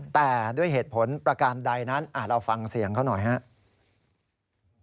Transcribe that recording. แต่ด้วยเหตุผลประการใดนั้นเราฟังเสียงเขาหน่อยครับ